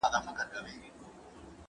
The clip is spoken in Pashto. بلې ښځي خپله لور چا ته ورکړه؟